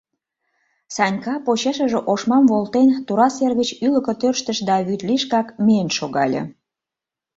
Санька, почешыже ошмам волтен, тура сер гыч ӱлыкӧ тӧрштыш да вӱд лишкак, миен шогале.